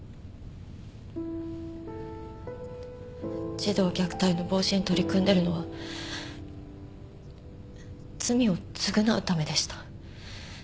児童虐待の防止に取り組んでるのは罪を償うためでした。